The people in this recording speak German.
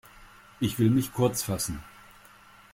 Ich will mich kurzfassen.